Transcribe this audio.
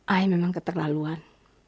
ayah memang keterlaluan